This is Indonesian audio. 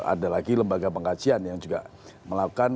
ada lagi lembaga pengkajian yang juga melakukan